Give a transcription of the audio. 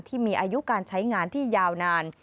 ที่มีอายุการใช้งานที่ยาวนาน